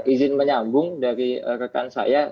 izin menyambung dari rekan saya